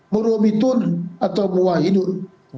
murhubitun atau muahidun